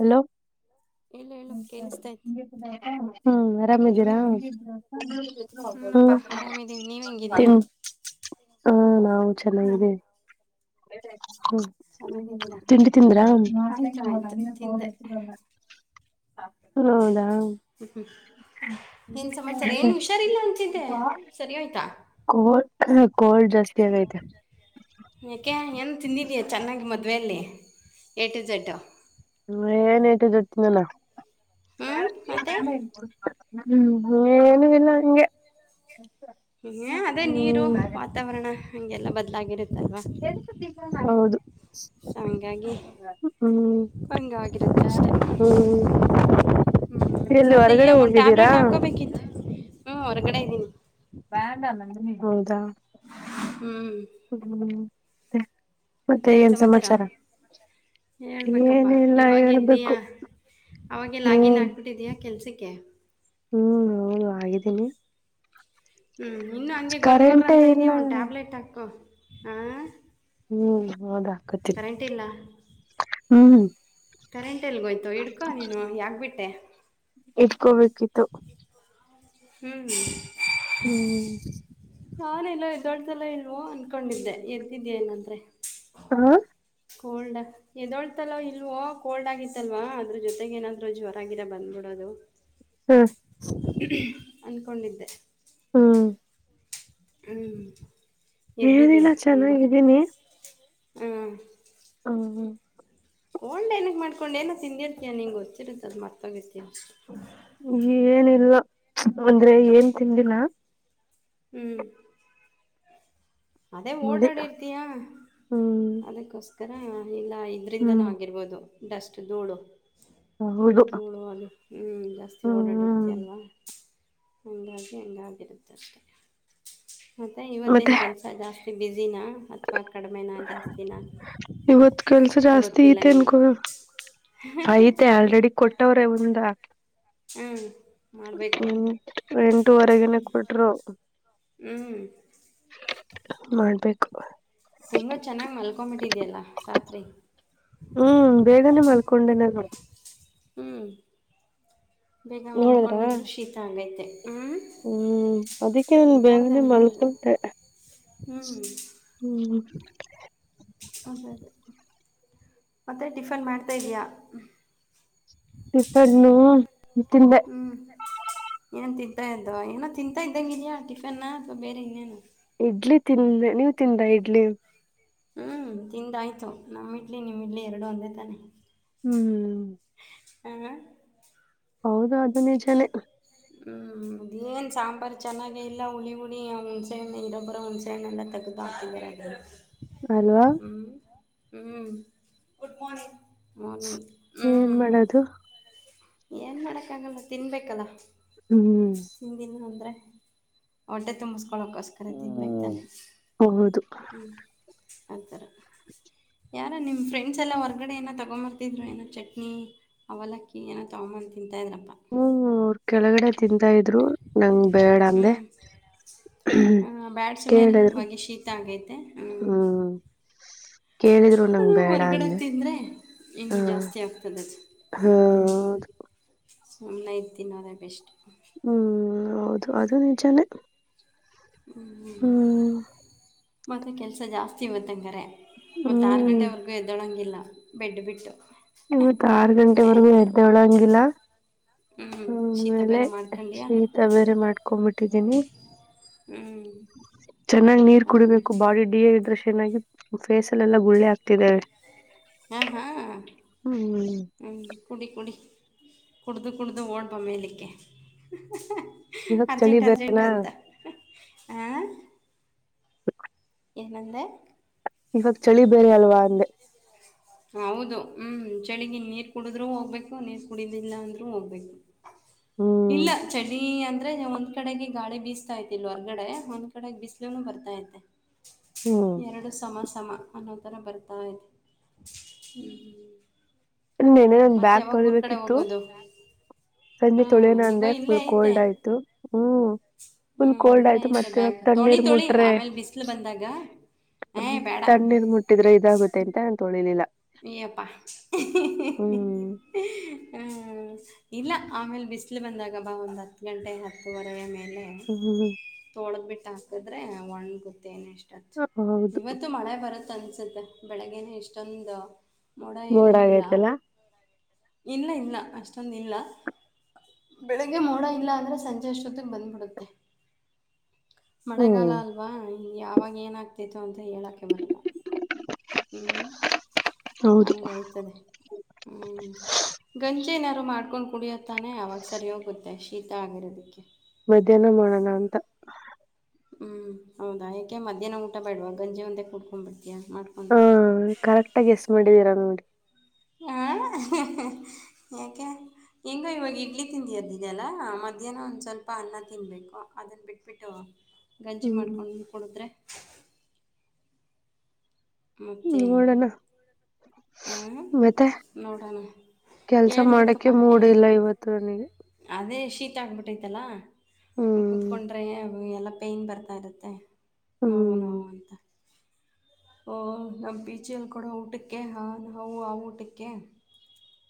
Hello ಹೇಳು ಹೇಳು ಕೇಳಿಸ್ತಾ ಐತಿ ಹ್ಮ ಆರಾಮಜರ ಹ್ಞೂ ಹೂನಪ್ಪಾ ಹ್ಮ ಆರಾಮಿದ್ದೀವಿ ನೀವು ತಿ ಹೆಂಗಿದ್ದೀರಾ ಹಾ ನಾವು ಹಾಂ ಚೆನ್ನಿದ್ದೇ ಹ್ಮ ಚೆನ್ನಾಗಿದ್ದೀರಾ ತಿಂಡಿ ತಿಂದ್ರಾ ಆಯಿತು ಆಯಿತು ತಿಂದೆ ಹೌದಾ ಏನು ಸಮಾಚಾರ ಏನು ಹುಷಾರಿಲ್ಲ ಅಂತಿದ್ದೆ ಸರಿ ಹೋಯ್ತಾ ಕ ಹ ಕೋಡ್ ಜಾಸ್ತಿ ಆಗೈತೆ ಯಾಕೆ ಏನು ತಿಂದಿದೀಯ ಚೆನ್ನಾಗಿ ಮದುವೆಯಲ್ಲಿ ಏಟು ಜಝೆಡ್ ಮ ಏನಐಟ ದಟ್ಟನಲ್ಲ ಹ್ಞೂ ಮತ್ತೆ ಹ್ಮ್ ನೀ ಏನ ಇಿಲ್ಲ ಹಗೆ ಹ್ಮ ಅದೇ ನೀರು ವಾತಾವರಣ ಹಗೆಲ್ಲಾ ಬದ್ಲಾಗಿರುತ್ತೆ ಹೌದು ಸೊ ಹಂಗಾಗಿ ಹ್ಮ್ ಹ್ಮ್ ಹಂಗಾಗಿರುತ್ತೆ [inaudible] ಹ್ಮ್ ಎಲ್ಲಿ ಮತ್ತೆ ಹೊರಗಡೆ ಒಂದ್ ಹೋಗಿದ್ದೀರಾ ಟ್ಯಾಬ್ಲೆಟ್ ಹಾಕೋಬೇಕಿತ್ತು ಹ್ಮ ಹೊರಗಡೆ ಇದ್ದೀನಿ ಬ್ಯಾಂಡ ಮಂದನಿಗೆಗ್ ಹೌದಾ ಹ್ಞೂ ಹ್ಮ್ಮ್ ಮತ್ತೆ ಎಏನ್ ಸಮಾಚಾರ ಹೇಳ್ಬೇಕಪ್ಪಾ ಏನಿಲ್ಲ ಇವಾಗ ಹೇಳ್ಬೇಕು ಇದ್ದೀಯಾ ಅವವಾಗೆಲ್ಲಾಗಿನ್ ಹ್ಮ್ ಆಗ್ಬಿಟ್ಟಿದ್ದೀಯಾ ಕೆಲ್ಸಕ್ಕೆ ಕೆ ಹ್ಮ್ ಹೌದು ಆಗಿದ್ದೀನಿ ಹ್ಮ್ ಇನ್ನುೂ ಹಂಗೆ ಕರೆಂಟ ಗೊರ್ಗೊರಂತ ಇದೀ ಇಲ್ಲ ಒನ್ ಟ್ಯಾಬ್ಲೆಟ್ ಹಾಕು ಹ ಹ್ಮ್ ಹೌದ್ ಹಾಕತಿಿಲ್ಲ ಹ್ಮ್ ಕರೆಂಟ್ ಎಲ್ಲಿಗೋಯ್ತು ಹಡ್ಕೊ ನೀನು ಯಾಕಬಿಟ್ಟೆ ಕವಕ್ಕಿತು ಹ್ಮ್್ಮ ಹ್ಮ್ ನಾನ ಎಲ್ಲ ಇದ ದೊಡ್ಸಲ್ಲ ಇಲ್ವೋ ಅನ್ಕೊಂಡಿದ್ದೆ ಎರ್ತಿದ್ದೆ ಏನಂದ್ರೆ ಹ ಕೋಲ್ಡ್ ಎದೋಳ್ತಲ್ೋ ಇಲ್ವೋ ಕೋಲ್ಡ್ ಆಗಿತ್ತಲ್ವಾ ಅದ್ರ ಜೊತೆಗೆ ಏನಾದ್ೂ ಜ್ರ ಆಗಿರ ಬಂದ್ಬಿಡೋದು ಹ ಅನ್ಕೊಂಡಿದ್ದೆ ಹ್ಮ್ ಹ್ಮ್ ಹೇಳಏಿಲ್ಲ ಚೆನ್ನಾಗಿದ್ದೀನಿ ಹಾ ಹ್ಮ್ ಹ್ಮ ಕೊಂಡ ಏನಕ್ ಮಾಡ್ಕೊಂಡ್ ಏನ ತಿಂದಿರ್ತಿಯಯಾ ನಿಂಗ್ ಹೊತ್ತಿ ಅಂತ ಅದ್ ಮತೋಗ್ ಏನಿಲ್ಲ ಅಂದ್ರೆ ಏನ್ ತಿಂದಿನ ಹ್ಮ್ ಅದೇ ಮುದಿ ಓಡಾಡಿರ್ತಯಾ ಹ್ಮ್ ಅದಕ್ಕೋಸ್ಕರ ಇಲ್ಲ ಹ್ಮ್ ಇದರಿಂದನ ಆಗಿರ್ಬೋದು ಡಸ್ಟ್ ಧೂಳು ಹೌದು ಉಳುವದು ಹ್ ಜಾಸ್ತಿ ಓಡಾಡಿರ್ತಿ ಹ್ಮ್ ಅಲ್ವಾ ಹಂಗಾಗಿ ಹಂಗಾಗಿರುತ್ತೆಷ್ಟೆ ಮತ್ತೆ ಮತ್ತೆ ಇವತ್ತಿನ ಕೆಲ್ಸ ಜಾಸ್ತಿ ಬಿಸಿ ದಿನ ಅಥವಾ ಕಡಿಮೆನ ಜಾಸ್ತಿನ ಇವತ್ ಕೆಲ್ಸ ಜಾಸ್ತಿ ಐತೆ ಅನ್ಕೊ ಆಐತೆ ಆಲ್ರೆಡಿ ಕೊಟ್ಟವ್ರೆ ಒಂದ ಹ್ಮ್ ಮಾಡಬೇಕು ಎಂ ಎಂಟುವರೆಗನೆ ಕೊಟ್ರು ಹ್ಮ್ ಮಾಡ್ಬೇಕು ಹೆಂಗೋ ಚೆನ್ನಾಗ್ ಮಲ್ಕೊಂಬಿಟ್ಟಿದ್ಯಲ್ಲ ರಾತ್ರಿ ಹ ಹ್ಞೂ ಬೇಗ ನೋಡಿದ್ರಾ? ಮಲ್ಕೊಂಡಿದ್ರು ಶೀತ ಆಗೈತೆ ಹ್ಮ್ ಹ್ಮ್ ಅದಕ್ಕೆ ನನ್ು ನೋಡ್ದೆ ಬೇಗನೆ ನೋಡ್ದೆ ಮಲ್ಕೊಟೆ ಹ್ಮ್ ಹ್ಮ್ ಅದ ಮತ್ತೆ ಟಿಫನ್ ಮಾಡ್ತಾ ಇದಿದೀಯಾ ಪ್ಪಣ್ಣು ತಿಂದೆ ಹ್ಮ್ ಏನ್ ತಿಂತಾ ಇದ್ದ ಏನೋ ತಿಂತಾ ಇದ್ದಂಗಿರಯಾ ಟಿಫನ್ ಅಥ್ವಾ ಬೇರೆ ಇನ್ನೇನ ಇಡ್ಲಿ ತಿಿಂದ ನೀವ ತಿಂದ ಇಡ್ಲಿ ಹ್ಮ್ ತಿಂದಾಯ್ತು ನಮ್ಮ ಇಡ್ಲಿ ನಿಮ್ಮ ಇಡ್ಲಿ ಎರಡು ಒಂದೇ ತಾನೆ ಹ್ಮ್್ಮ ಹ ಹೌದು ಅದ ನಿಜನೇ ಹ್ಮ್ ಅದ ಏನ್ ಸಾಂಬಾರು ಚೆನ್ನಾಗ ಇಲ್ಲ ಹುಿ ಹುಳಿ ಹಣ್ಸೆಣ್ಣ ಇರೊಬ್ಬರ ಹಣ್ಸೆ ಹಣ್ಣ ಎಲ್ಲ ತಗ ಬಾ ಹಲವಾ ಹ್ಮ್ ಗುಡ್ ಮನಿಂಗ್ ಮನಿಂಗ್ ಏನ್ ಹ್ಮ್ ಮಾಡೋದು ಏನ್ ಮಾಡಕ್ಕಗಲ್ಲ ತಿನ್ಬೇಕಲ್ಲ ಹ್ಮ್್ಮ ಆದರೆ ಹೊಟ್ಟೆ ತುಂಬಿಸ್ಕೊಳಕೋಸ್ಕರ ತಿನ್ಬೇಕು ತಾನೆ ಹೌದು ಹ್ಞೂ ಆಥರ [inaudible] ಯಾರ ನಿಮಮ್ಮ ಫ್ರೆಂಡ್ಸ್ ಎಲ್ಲ ಹೊರ್ಗಡೆ ಏನೋ ತಗೊ್ಂಬರ್ತಿದ್ರು ಏನೋ ಚಟ್ನಿ ಅವಲಕ್ಕಿ ಏನೋ ತೊಗೊಂಬು ತಿಂತ ಇದ್ರ ಹ್ಮ್ ಅವರು ಕೆಳಗಡೆ ತಿಂತಾ ಇದ್ರು ನಂಗ ಬೇಡ ಅಂದೆ ಹ ಬ್ಯಾಡ ಸುಮಮ್ಮನೆ ರೀ ಕೇಳಿದ್ರು ಇವಾಗ ಶೀತ ಆಗೈತೆ ಹ್ ಹ್ಮ್ ಕೇಳಿದ್ರು ಅದ ನಂಗ್ ಬೇಡ ಹೊರ್ಗಡೆ ಅಂದೆ ತಿಂದ್ರೆ ಹ ಇನ್ನುೂ ಜಾಸ್ತಿ ಆಗ್ತದೆದು ಹ್ಞ ಹೌದು ಸುಮ್ಮನೆ ಇ ತಿೀನ್ನೋ ಅದೇ ಬೆಸ್ಟ್ ಹ್ಮ್ ಹೌದು ಅದು ನಿಜಾನೇ ಹ್ಞ ಹ್ಮ್ ಮತ್ತುೆ ಕೆಲಸ ಜಾಸ್ತಿ ಇವತ್ತಂಗಾರೆ ಮತ್ತಾರರು ಹ್ಮ್ ಗಂಟೆವರೆಗೂ ಎದ್ದೊಳಂಗಿಲ್ಲ ಬೆಡ್ ಬಿಟ್ಟು ಇವತ್ ಆರು ಗಂಟೆವರೆಗೂ ಎರ್್ದವಳ ಹಂಗಿಲ್ಲ ಹ್ಞೂ ಶೀತ ಆ್ಮೇಲೆ ಬೇರೆ ಮಾಡ್ಕೊಂಡ್ಯಾ ಶೀತ ಬೇರೆ ಮಾಡ್ಕೊಂಬಿಟ್ಟಿದ್ದೀನಿ ಹ್ಞೂ ಚೆನ್ನಾಗ್ ನೀರ್ ಅದೇ ಕುಡಿಬೇಕು ಮಾಡ್ತೀನಿ ಬಾಡಿ ಡಿಹೈಡ್ರಷನ್ ಚೆನ್ನಾಗಿ ಫೇಸ್ಲ್ಲ ಎಲ್ಲ ಗುಳ್ಳೆ ಆಕ್ತಿದ್ದೇವೆ ಹಾ ಹಾ ಹ್ಮ ಕುಡಿ ಕುಡಿ ಕುಡ್ದು ಕುಡ್ದು ಓಡ್ಬ ಮೇಲಿಕ್ಕೆ ಇವಾಗ ಚಳಿ ಬೇರೇನಾ ಆ ಏನಂದ ಇವಾಗ ಚಳಿ ಬೇರೆ ಅಲ್ವಾ ಅಂದೆ ಹೌದು ಹ್ಮ್ ಚಳಗಿ ನೀರ್ ಕುಡಿದ್ೂ ಹೋಗ್ಬೇಕು ನೀರ್ ಕುಡುದಿಲ್ಲ ಅಂದ್ರೂ ಹೋಗ್ಬೇಕು ಹ್ಮ್ ಇಲ್ಲ ಚಳಿ ಅಂದ್ರೆ ನಾವೊಂದು ಕಡೆಗೆ ಗಾಳಿ ಬೀಸ್ತಾ ತಿಲ್ ಹೊರ್ಗಡೆ ಒಂದ್ ಕಡೆ ಬಿಸ್ಲುನು ಬರ್ತಾ ತೆ ಹ್ಮ್ ಎರಡು ಸಮ ಸಮ ಅನ್ನೋದರ ಬರ್ತಾ ಇದೆ ಹ್ಮ್ ಇನ್ನೇನೆ ನಂದು ಬ್ಯಾಗ್ ತೊಳಿಬೇಕಿತ್ತು ಹ್ಞೂ ಸಂಜೆ ತೊಳನಾ ಅಂದೆ ನಿಗೋ ಫುಲ್ ಕೋಲ್ಡ್ ಆಯ್ತು ಹ್ಮ್ ಹ್ಮ ಫುಲ್ ಕೋಲ್ಡ್ ಇಲ್ಲ ಆಯ್ತು ಐ್ತ ಮತ್ತೆ ಇವಾಗ ಬ್ಯಾಕ್ ತೊಳಿ ತಣ್ಣೀರ್ ತೊಳಿ ಮುಟ್ರೆ ಆಮೇಲ್ ಬಿಸಲು ಬಂದಾಗ ಏ ಬೇಡ ತಣ್ಣೀರ್ ಮುಟ್ಟಿದ್ರೆ ಇದಾಗುತ್ತೆ ಅಂತ ನಾನ್ ತೊಳಿಲಿಲ್ಲ ಈಪ್ಪಾ ಹ್ಮ ಹ್ಮ್ ಇಲ್ಲ ಆಮೇಲೆ ಬಿಸಿಲು ಬಂದಾಗ ಬ ಒಂದ್ ಹತ್ತು ಗಂಟೆ ಹತ್ತುವರೆ ಮೇಲೆ ಹ್ಮ್ ಆತೊಳದ ಬಿಟ್ಟ ಹಾಕಿದ್ರೆ ಒಣಗುತ್ತೇನೆ ಅಷ್ಟ ಹೌದು ಇವತ್ತು ಮಳೆ ಬರುತ್ತ ಅನ್ಸುತ್ತೆ ಬೆಳಗ್ಗೆನೆ ಇಷ್ಟೊಂದು ಮೋಡ ಏನೂ ಇಲ್ಲ ಇಲ್ಲ ಇಲ್ಲ ಅಷ್ಟೊಂದು ಇಲ್ಲ ಬೆಳಿಗ್ಗೆ ಮೋಡ ಇಲ್ಲ ಅಂದ್ರೆ ಸಂಜೆ ಅಷ್ಟೊತ್ತಿಗೆ ಬಂದ್ಬಿಡುತ್ತೆ ಮಳೆಗಾಲ ಹ್ಮ್ ಅಲ್ವಾ ಯಾವಾಗ ಏನಾಗಗ್ತಿತ್ತು ಅಂತ ಅ ಹೇಳಕ್ಕೆ ಬರಲ್ಲ ಹ್ಮ ಹೌದು ಹಂಗಾಯಯ್ತದೆ ಹ್ಮ್ ಗಂ ನಾದಾರು ಮಾಡ್ಕೊಂಡು ಕುಡಿಯತ್ತಾನೆ ಅವಾಗ ಸರಿ ಹೋಗುತ್ತೆ ಶೀತ ಆಗಿರೋದಕ್ಕೆ ಮಧ್ಯಾಹ್ನ ಮಾಡೋಣ ಅಂತ ಹ್ಮ್ ಹೌದಾಕೆ ಮಧ್ಯಾಹ್ನ್ ಊಟ ಬಿಡುವ ಗಂಜಿ ಒಂದೆ ಕೂಕೊ ಬಿಡು ಹಾ ಕರೆಕ್ಟ ಆಗ ಎಸ್ ಮಾಡಿದೀರ ನೋಡಿ ಹಾಂ [inaudible] ಯಾಕೆ ಹೆಂಗೋ ಇವಾಗ ಇಡ್ಲಿ ತಿಂದಿ ಅದ್ದಿದೆಲ್ಲ ಮಧ್ಯಾಹ್ನ ಒಂದ್ ಸ್ವಲ್ಪ ಸ್ವಲ್ಪ ಅನ್ನ ತಿನ್ಬೇಕು ಅದನ್ನ ಬಿಟ್ಬಿಟ್ಟು ಗಂಜಿ ಹ್ಮ್ ಮಾಡ್ಕೊಂಡು ಕುಡಿದ್ರೆ ಮತ್ತೇನು ನೋಡೋಣ ಹ ಮತ್ತೆ ನೋಡೋಣ ಕೆಲ್ಸ ಮಾಡಕ್ಕೆ ಹೇಳ್ಬೇಕಪ್ಪಾ ಮೂಡ್ ಎಏಲ್ಲ ಇಲ್ಲ ಇವತ್ತು ನನಗೆ ಅದೇ ಶೀತ ಆಗ್ಬಿಟ್ಟತಿ ಹ್ಮ್ ಕೂತ್ಕೊಂಡ್ರೆ ಎಲ್ಲ ಪೈನ್ ಬರ್ತಾ ಇರುತ್ತೆ ಹ್ಮ್ ಹೌನವುಂತ ನಮ್ಮ ಬೀಚಲ್ಲಿ ಕೊಡೋ ಊಟಕ್ಕೆ ಹಾ ನಾವು ಆ ಊಟಕ್ಕೆ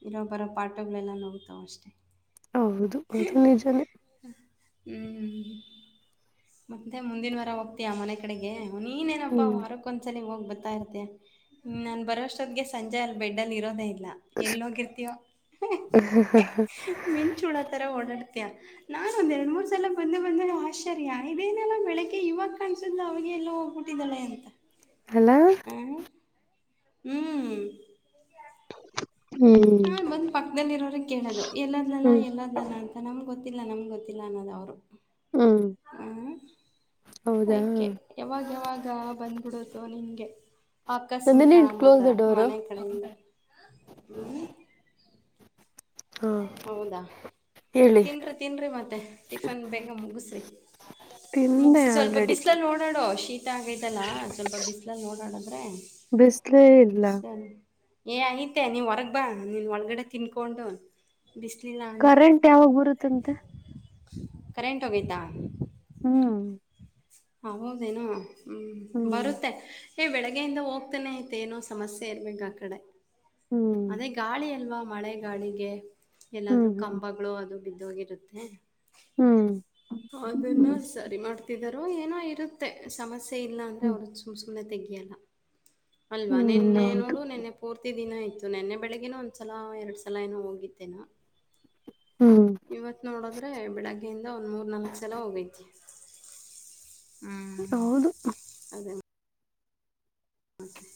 ಇರೋ ಬರೋ ಪಾಠಗಳೆಲ್ಲ ನೋಡ್ವ ಅಷ್ಟೆ ಹೌದು ಅದು ನಿಜಾನೇ [inaudible] ಹ್ಞೂ ಮತ್ತೆ ಮುಂದಿನ ವಾರ ಹೋಗ್ತೀಯಾ ಮನೆ ಕಡೆಗೆ [inaudible] ನೀನ್ನಪ್ಪಾ ಹ್ಮ್ ವಾರಕ್ಕ ಒಂದಸಲಿ ಹೋಗ್ ಬ [inaudible] ತಾ ಇರ್ತ ನಾನ್ ಬರೋಷ್ಟೊದ್ಗೆ ಸಂಜೆ ಅಲ್ಲಿ ಬೆಡ್ಲ್ ಇರೋದ ತೆ [inaudible] ಎಲ್ಲಿಗಿರ್ತಯೋ [inaudible] ಓಡಾಡ್ತ ನಾನನ್ ಒಂದ್ ಎರಡು ಮೂರ್ ಸಲ ಬಂದು ಬಂದೆ ಆಶ್ಚರ್ಯ ಇದೇನಲ್ಲ ಬೆಳಗ್ಗೆ ಯುವ ಕಾಣ [inaudible] ಅವಾಗ ಎಲ್ಲ ಹೋಗ್ಬಿಟ್ಟಿದ್ದಾಳೆ ಅಂತ [inaudible] ಹಲೋ [inaudible] ಆ ಹ್ಮ್ [inaudible] ಹಾ ಹ್ಮ್ ಬಂದ್ ಪಕ್ಕದಲ್ಲಿ ಇರೋರ ಕೇಳೋದು ಎಲ್ಲದ್ಲಾ ಹ್ಮ್ ಎಲ್ಲದ್ಲಲ್ಲಾ ಅಂತ ನಮ್ ಗೊತ್ತ [inaudible] ಗೊತ್ತಿಲ್ಲ ನಮ್ಗೆ ಗೊತ್ತಿಲ್ಲ ಅನ್ನೋದು ಅವರು ಹ್ಮ್ ಹ [inaudible] ಹೌದಾ ಅಯಕೆ ಯಾವಾಗ ಯಾವಾಗ ಬಂದ್ಬಿಡದು ನಿಂಗೆ [inaudible] ಆಕಸ್ಮಿಕ ನಂದನೇ ಅನ್ನೋ ಕ್ಲೋಸ್ ದ ರ ಡೋರ್ ಮನೆ ಕಡೆಯಿಂದ [inaudible] ಹಾ ಹೌದಾ [inaudible] ಹೇಳಿ ತಿನ್ರಿ ತಿನ್ರಿ ಮತ್ತೆ ಟಿಫನ್ ಬೇಗಮ ಗುಸ್ರಿ [inaudible] ತಿಂದೆ ಮುಗಿಸಿ ಸ್ವಲ್ಪ ಆಲ್ರೆಡಿ ಬಿಸಲಲ್ ನೋಡಾಡೋ ಶೀತ ಆಗದಲ್ಲ ಸ್ವಲ್ಪ ಬಿಸಲಲ್ ನೋಡಾಡದ್ರೆ [inaudible] ಬಿಸ್ಲೇ ಇಲ್ಲ [inaudible] ಏ ಐತೆ ನೀವ್ ಹೊರಗ್ ಬಾ ನೀನ್ ಒಳಗಡೆ ತಿನ್ಕೊಂಡು [inaudible] ಬಿಸಿಲಿಲ್ಲ ಅಂದರೆ ಕರೆಂಟ್ ಯಾವಾಗ ಬರುತ್ತಂತ [inaudible] ಕರೆಂಟ್ ಹೋಗಿದ್ದಾ [inaudible] ಹ್ಮ್ ಹ ಹೌದೇನೋ ಹ್ಮ್ ಬರುತ್ತೆ [inaudible] ಏ ಬೆಳಗ್ಗೆಯಿಂದ ಹೋಗ್ತಾನೆ ಐತೆ ಏನೋ ಸಮಸ್ಯೆ ಇರ್ಬೇಕ ಆ ಕಡೆ ಹ್ಮ್ ಅದೇ ಗಾಳಿ ಅಲ್ವಾ [inaudible] ಮಳೆಗಾಳಿಗೆ ಹ್ಮ್ ಎಲ್ಲಾದ್ರೂ ಹ್ಮ್ ಕಂಬಗಳು ಅದು ಬಿದ್ದೋಗಿರುತ್ತೆ [inaudible] ಹ್ಮ್ ಅದನ್ನು ಸರಿ ಮಾಡ್ತಿದ್ದಾರ ಏನೋ ಇರುತ್ತೆ ಸಮಸ್ಯೆ [inaudible] ಇಲ್ಲ ಅಂದ್ರೆ ಹ್ಮ್ ಹ್ಮ್ ಅವ್ರ ಸುಮ್ ಸುಮ್ಮನೆ ತೆಗಿಯಲ್ಲ ಅಲ್ವಾ ಹ್ಮ್ ನಿನ್ನೆ ಹೌದು ನೋಡು ನಿನ್ನೆ ಪೂರ್ತಿ [inaudible] ದಿನ ಆಯ್ತು ನಿನ್ನೆ ಬೆಳಿಗ್ಗನ ಒಂದ್ಸಲ ಎರಡ್ ಸಲ ಏನೋ ಹೋಗಿದ್ದೇನಾ [inaudible] ಹ್ಮ್ ಇವತ್ ನೋಡದ್ರೆ ಬೆಳಗ್ಗೆಯಿಂದ ಒಂದ್ ಮೂರ್ ನಾಲ್ಕ್ ಸಲ ಹೋಗೈತಿ [inaudible] ಹೌದು [inaudible] ಹ [inaudible]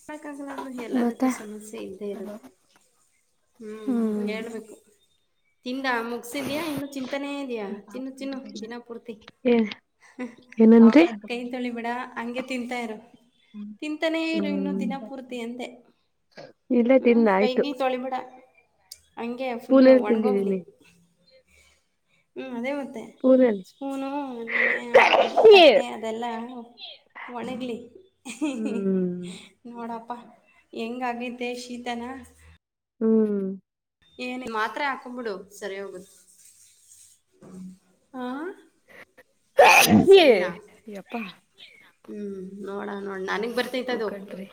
ಮೆಕ್ಕಾಗಲ್ಲ ಮತ್ತೆ ಎಲ್ಲದಕ್ಕೂ ಸಮಸ್ಯೆ ಇದ್ದೇ ಇರುತ್ತೆ [inaudible] ಹ್ಮ್ ಹೇಳ್ಬೇಕು [inaudible] ತಿಂದ ಮುಗಸಿದ್ಯಾ ಇನ್ನು ಚಿಂತಾನೇ ಇದಯಾ ಚಿನ್ನು ಚಿನ್ನು ದಿನ ಪೂರ್ತಿ ಏ ಏನಂದ್ರಿ [inaudible] ಕೈ ತೊಳಿ ಬಿಿಡ ಹಗೆ ತಿಂತ ಇರು [inaudible] ಹ್ಮ್ [inaudible] ತಿಂತಾನೇ ಇರು ಇನ್ನು ಹ್ಮ್ ದಿನ ಪೂರ್ತಿ ಅಂದೆ ಇಲ್ಲ ಹ್ಞೂ ತಿನ್ನ ಆಯ್ತು [inaudible] ಹೇ ಫುಲ್ಲು ಪೂನೇಲಿ ಒಣ್ಗೋಗ್ಲಿ ತಿಂದಿದ್ದೀನಿ ಹ್ಞೂ ಅದೇ ಮತ್ತೆ ಪೂನೇಲಿ [inaudible] ಸ್ಪೂನು ನಿನೆಯ ತಟ್ಟೆ ಅದೆಲ್ಲ ಒಣಗಲಿ ಹ್ಮ್ [inaudible] ನೋಡಪ್ಪಾ ಹೆಂಗ ಆಗಿದ್ದೆ ಶೀತನ [inaudible] ಹ್ಮ್ [inaudible] ಏನು ಮಾತ್ರೆ ಹಾಕೊಂಬಿಡು ಸರಿ ಹೋಗುತ್ತ ಹಾ [inaudible] ಅಪ್ಪ [inaudible] ಹ್ಮ್ ನೋಡ ನೋಡ ನನಗ್ ಬರ್ತೈತ ಹೂ ಅದು [inaudible] ಕಣ್ರಿ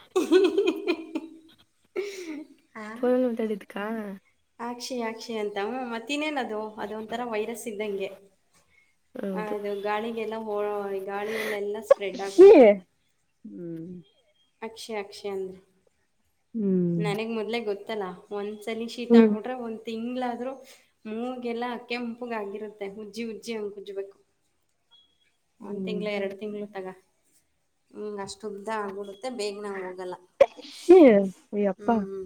[inaudible] ಪರಳ ತಾಡತಕ್ಕಾ [inaudible] ಆಕ್ಷಿ ಆಕ್ಷಿ ಅಂತ ಹ ಮತ್ತ ಇನ್ನೇನ ಅದು ಅದ ಒಂಥರ ವೈರಸ್ ಇದ್ದಂಗೆ [inaudible] ಹೌದು ಅೌದು ಗಾಳಿಗೆಲ್ಲ ಹ ಗಾಳಿಯಲ್ಲೆಲ್ಲಾ ಸ್ಪ್ರೆಡ್ ಆಗಿಬಿಡ್ತೈತೆ [inaudible] ಹ್ಮ್ [inaudible] ಅಕ್ಷಯ ಅಕ್ಷಯ ಅಂದ್ರ ಹ್ಮ್ ನನಗ್ ಮೊದ್ಲೇ ಗೊತ್ತಲ್ಲ ಒಂದ [inaudible] ಸ ಶೀತ ಹ್ಮ್ ಆಗಿಡ್ರೆ ಒಂದು [inaudible] ತಿಂ್ಗಳಾದ್ರರು ಮೂವಗೆಲ್ಲ ಅಕ್ಕ ಉಂಪುಗ ಆಗಿರುತ್ತೆ ಉಜ್ಜಿ ಉಜ್ಜ ಅಂಗ ಕುಜ್ಜಬೇಕು [inaudible] [inaudible] ಒಂದ್ ತಿಂಗಳ ಹ್ಮ್ ಎರಡು ತಿಂಗ್ಳ ತಗ ಹಂಗ ಅಷ್ಟು ಉದ್ದ ಆಗ್ಬಿಡುತ್ತ ಮತ್ತೆ ಬೇಗ ನಾಗೆ ಹೋಗಲ್ಲ ಶಿ ಹ್ಞ ಅಯ್ಯಪ್ಪಾ ಹ್ಞ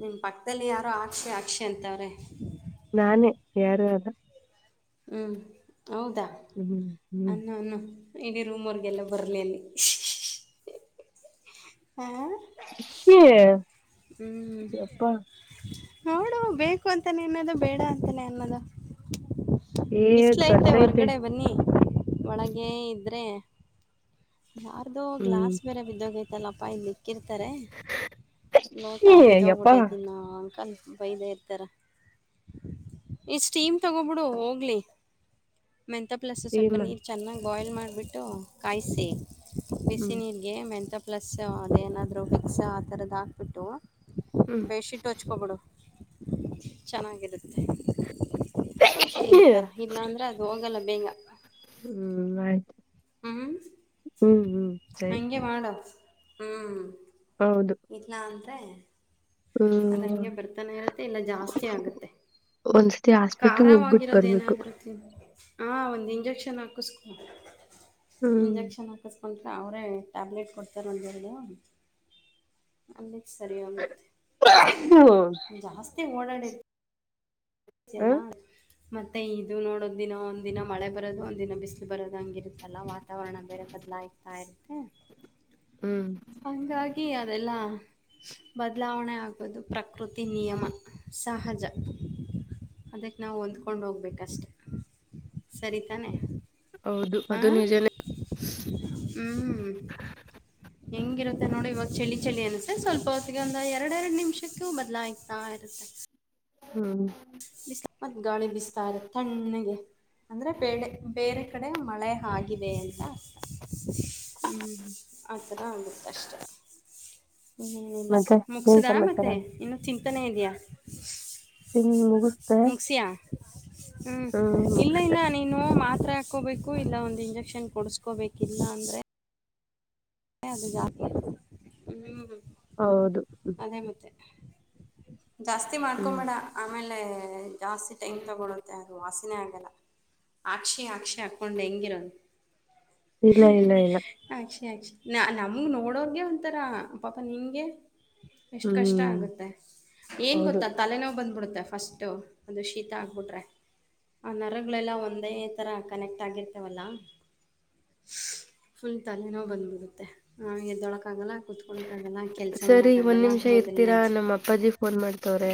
ನಿಮ ಪಕ್ಕದಲ್ಲಿ ಯಾರೋ ಆಕ್ಷಿ ಆಕ್ಷಿ ಅಂತವ್ರೆ ನಾನೇ ಯಾರು ಅಲ್ಲ ಹ್ಮ್ ಹೌದಾ ಹ್ಮ್ ಹ್ಮ್ ಅನ್ನ ಅನ್ನು ಇಡೀ ರೂಮ್ ಅವರ್ಗೆಲ್ಲ ಬರ್ಲಿ ಅಲ್ಲಿ ಹ ಸ ಹ್ಮ್ ನೋಡು ಬೇಕು ಅಂತಾನೆ ಅನ್ನದು ಬೇಡ ಅಂತಾನೆ ಅನ್ನದು ಏದ್ ಬಿಸಿಲ ಐತೆ ಬರ್ತೈತೆ ಹೊರ್ಗಡೆ ಬನ್ನಿ ಒಳಗೆ ಇದ್ರೆ ಯಾರ್ದು ಹ್ಮ್ ಗ್ಲಾಸ್ ಬೇರೆ ಬಿದ್ದೋಗೈತಲ್ಲಪ್ಪ ಇಲ್ಲಿ ಕಿರ್ತಾರೆ ನೋಟಾ ಶಿ ಯಪ್ಪಾ ಬಿದೋಗ್ಬಿಟ್ಟೈತೀಿಾ ಅಂಕಲ್ ಬೈದ ಎತರ ಇಷ್ಟ್ಟೀಮ್ ತಗೋಬಿಡು ಹೋಗ್ಲಿ ಮೆಂಥ ಪ್ಲಸ್ ಸ್ವಲ್ಪ ಸೀಮಾ ನೀರು ಚೆನ್ನಾಗಿ ಬಾಯ್ಲ್ ಮಾಡಿಬಿಟ್ಟು ಕಾಯಿಸಿ ಹ್ಮ್ ಬಿಸಿನೀರಿಗೆ ಮೆಂಂತ ಪ್ಲಸ್ ಅದೇಏನಾದ್ರು ಮಿಕ್ಸ್ ಆ ಥರದ ಹಾಕ್ಬಿಟ್ಟು ಹ್ಮ್ ಬಿಸಿಿ ಟೋಚ್ ಕೊಬಡೋ ಚನ್ನಾಗಿರುತ್ತ ಅಷ್ಟೇಂಥರ ಇಲ್ಲಾಂದ್ರೆ ಅದು ಹೋಗಲ್ಲ ಬೇಗಪ್ಪ ಹ್ಮ್ ಆಯ್ತು ಹ್ಮ್ ಹ್ಮ್ ಸರಿ ಹಂಗೆ ಮಾಡು ಹ್ಮ್ ಹೌದು ಅದ ಹ್ಮ್ ಹಂಗೆ ಬರ್ತಾನೆ ಇರುತ್ತೆ ಇಲ್ಲ ಜಾಸ್ತಿ ಆಗುತ್ತೆ ಒಂದ್ಸತಿ ಹಾಸ್ಪಿಟ್ಲ್ ಹೋಗ್ಬಿಟ್ಟು ಖಾರಗರೋದ ಬರ್ಬೇಕು ಏನಾದ್ರೂ ತಿ ಹ ಒಂದ್ ಇಂಜೆಕ್ಷನ್ ಹಾಕ್ತ ಕಸ್ಕೋ ಹ್ಮ್ ಇಂಜೆಕ್ಷನ್ ಕಸ್ಕೋ ಕಂಟ್ರ ಅವರೇ ಟ್ಯಾಬ್ಲೆಟ್ ಕೊಡ್ತಾರೆ ಮಂದುರ ಅಲ್ಲಿಕ್ಕೆ ಸರಿ ಅ ಮುತ್ತೆ ಹ್ಮ ಮಸ್ತಿ ಓಡಾಡಿ [unintelligible] ಮತ್ತೆ ಇದು ನೋಡೋದ ದಿನ ಒಂದಿನ ಮಳೆ ಬರೋದು ಒಂದ ದಿನ ಬಿಸ್ಲು ಬರೋದು ಹಂಗಿರುತ್ತಲ್ಲ ವಾತಾವರಣ ಬೇರೆ ದಲ ಆಯ್ತಾ ಇರುತ್ತೆ ಹ್ಮ್ ಹಂಗಾಗಿ ಅದೆಲ್ಲಾ ಬದಲಾವಣೆ ಆಗೋದು ಪ್ರಕೃತಿ ನಿಯಮ ಸಹಜ ಅದಕ್ಕೆ ನಾವು ಹೊಂದ್ಕೊಂಡು ಹೋಗ್ಬೇಕಷ್ಟೆ ಸರಿತಾನೆ ಹೌದು ಹಾ ಅದು ನಿಜನೇ ಹ್ಮ್ ಹೆಂಗಿರುತ್ತೆ ನೋಡಿ ಇವಾಗ ಚಳಿ ಚಳಿ ಅನ್ಸೆ ಸ್ವಲ್ಪ ಹೊತ್ತಿಗೆ ಒಂದು ಎರಡೆ ಎರಡು ನಿಮಿಷಕ್ಕೂ ಬದ್ಲಾಗ್ತಾ ಇರುತ್ತೆ ಹ್ಮ ಬಿಸ್ಲು ಮತ್ ಗಾಳಿ ಬಿಸ್ತಾರ ತಣ್ಣಗೆ ಅಂದ್ರೆ ಬೇ ಬೇರೆ ಕಡೆ ಮಳೆ ಆಗಿದೆ ಅಂತ ಅರ್ಥ ಹ್ಮ ಆ ಥರ ಆಗುತ್ತಷ್ಟೆ ಇನಿಲ್ಲ ಮತ್ತೆ ಏನ್ ಮುಗಿಸದ ಸಮಾಚಾರ ಮತ್ತೆ ಇನ್ನೂ ಚಿಂತನೆ ಇದೆಯಾ ತಿನ್ ಮುಗಿಸ್ದೆ ಮುಗಸಿಯಾ ಹ್ಮ ಹ್ಮ್ ಮುಗ ಇಲ್ಲ ಇಲ್ಲ ನೀನು ಮಾತ್ರ ಹಕೋಬೇಕು ಇಲ್ಲ ಒಂದ ಇಂಜೆಕ್ಷನ್ ಕೊಡಸ್ಕೋಬೇಕಿಲ್ಲ ಅಂದ್ರೆ ಹ ಅದು ಜಕ ಹ್ಮ್ ಹೌದು ಅದೇ ಮತ್ತೆ ಜಾಸ್ತಿ ಹ್ಮ್ ಮಾಡ್ಕೊಬೇಡ ಆಮೇಲೆ ಜಾಸ್ತಿ ಟೈಮ್ ತಗೊಳುತ್ತೆ ಅದು ವಾಸನೆ ಆಗ್ ಆಕ್ಷಿ ಆಕ್ಷಿ ಆಕ್ಕೊಂಡಂಗಿರ ಇಲ್ಲ ಇಲ್ಲ ಇಲ್ಲ ಅಕ್ಷಿ ಅಕ್ಷಿ ನ ನಮ್ಗೆ ನೋಡೋಗೆ ಒಂತರ ಪಾಪ ನಿಂಗೆ ಎಷ್ಟ್ ಕಷ್ಟ ಹ್ಮ್ ಆಗುತ್ತೆ ಏನ್ ಹೌದು ಗೊತ್ತಾ ತಲೆನೋವು ಬಂದ್ಬಿಡುತ್ತೆ ಫಸ್ಟ್ ಅದು ಶೀತ ಆಗ್ಬಿಟ್ರೆ ಆ ನರಗಳೆಲ್ಲ ಒಂದೇ ತರ ಕನೆಕ್ಟ್ ಆಗಿರ್ತವಲ್ಲ ಫುಲ್ ತಲೆನೋ ಬಂದ್ಬಿಡತ್ತೆ ನಗೆ ದೊಳಕಾಗಲ್ಲ ಕುತ್ಕೊಳ್ಳಳಕಕ್ಕಾಗಲ್ಲಾಕಿ ಸರಿ ಒಂದ್ ನಿಮಿಷ ಇರ್ತೀರಾ ನಮ್ಮ ಅಪ್ಪಾಜಿ ಫೋನ್ ಮಾಡ್ತವ್ರೆ